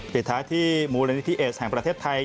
ปิดท้ายที่มูลนิธิเอสแห่งประเทศไทย